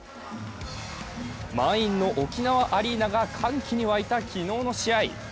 満員の沖縄アリーナが歓喜に沸いた昨日の試合。